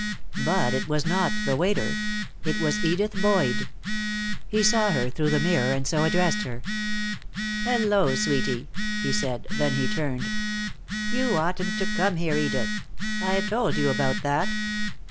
But it was not the waiter. It was Edith Boyd. He saw her through the mirror, and so addressed her. "Hello, sweetie," he said. Then he turned. "You oughtn't to come here, Edith. I've told you about that."